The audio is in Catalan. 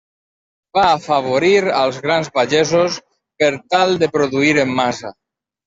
Va afavorir als grans pagesos per tal de produir en massa.